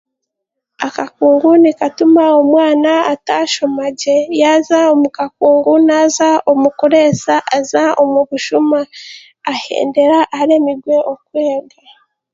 Akakungu nikatuma omwana atashoma gye, yaza omu kakungu naza omu kureesa aza omu bushuma ahendera aremirwe okweega.